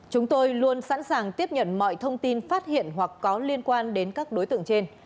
chúng tôi luôn sẵn sàng tiếp nhận mọi thông tin phát hiện hoặc có liên quan đến các đối tượng trên